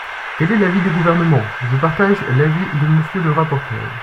Quel est l’avis du Gouvernement ? Je partage l’avis de Monsieur le rapporteur.